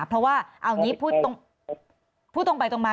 ประเด็นไหนออกไปได้มั้งคะ